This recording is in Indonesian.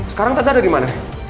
sekarang tata ada di mana